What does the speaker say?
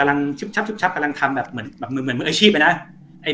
หากพวกเขากำลังทำงานอะไรปกอะไรตอนนี้